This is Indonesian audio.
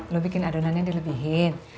lo bikin adonannya dilebihin